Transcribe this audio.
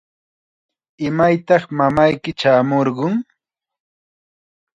¿Imaytaq mamayki chaamurqun?